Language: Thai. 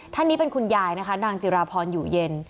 ท่านนี้เป็นคุณยายนะคะนางจิราพรอยู่เย็น